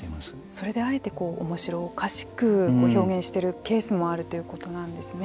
それであえておもしろおかしく表現しているケースもあるということなんですね。